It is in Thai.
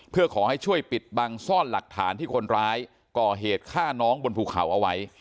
เพื่อขอให้ช่วยปิดบังซ่อนหลักฐานที่คนร้ายก่อเหตุฆ่าน้องบนภูเขาเอาไว้